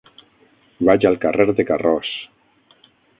Vaig al carrer de Carroç.